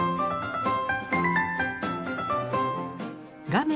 画面